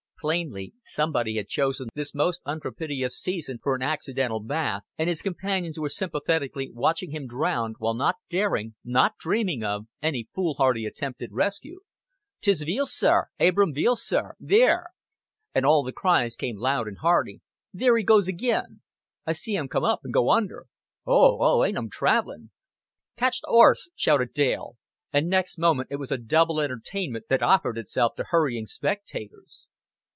Plainly, somebody had chosen this most unpropitious season for an accidental bath, and his companions were sympathetically watching him drown, while not daring, not dreaming of, any foolhardy attempt at a rescue. "'Tis Veale, sir. A'bram Veale, sir. Theer!" And all the cries came loud and hearty. "Theer he goes ag'in. I see 'un come up and go under. Oo, oo! Ain't 'un trav'lin'!" "Catch th' 'orse!" shouted Dale; and next moment it was a double entertainment that offered itself to hurrying spectators.